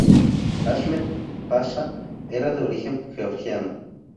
Ahmed Pasha era de origen georgiano.